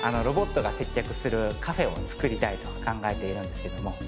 ロボットが接客するカフェをつくりたいと考えているんですけれども。